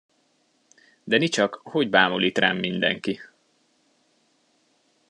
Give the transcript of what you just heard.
De nicsak, hogy bámul itt rám mindenki!